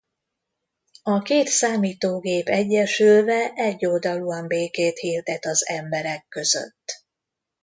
A két számítógép egyesülve egyoldalúan békét hirdet az emberek között.